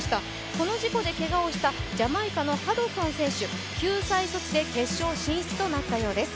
この事故でけがをしたジャマイカのハドソン選手、救済措置で決勝進出となったようです。